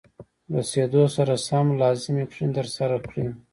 رسیدو سره سم لازمې کړنې ترسره کړئ.